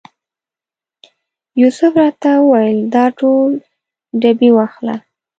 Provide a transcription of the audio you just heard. یوسف راته وویل دا ټول ډبې واخله.